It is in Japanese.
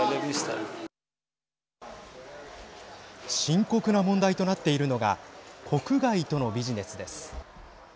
深刻な問題となっているのが国外とのビジネスです。